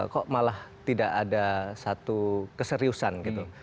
kok malah tidak ada satu keseriusan gitu